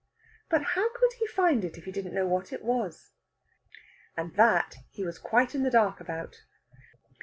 But how could he find it if he didn't know what it was? And that he was quite in the dark about.